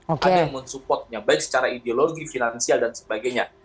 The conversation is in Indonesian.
ada yang mensupportnya baik secara ideologi finansial dan sebagainya